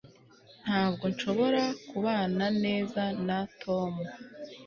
ntabwo nshobora kubana neza na tom